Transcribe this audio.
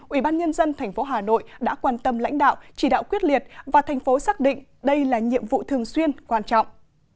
ủy ban nhân dân thành phố hà nội đã quan tâm lãnh đạo chỉ đạo quyết liệt và thành phố xác định đây là nhiệm vụ thường xuyên quan trọng